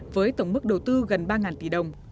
với tổng mức đầu tư gần ba tỷ đồng